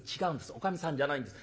おかみさんじゃないんです。